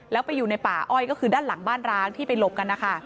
แล้วไปอยู่ในป่าอ้อยก็คือด้านหลังบ้านร้างที่ไปหลบกันนะคะ